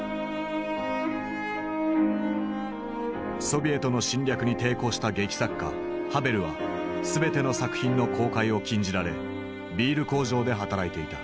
ソビエトの侵略に抵抗した劇作家ハヴェルは全ての作品の公開を禁じられビール工場で働いていた。